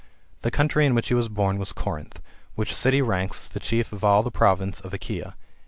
The country in which he was born was Corinth, which city ranks as the chief of all the province of Achaia.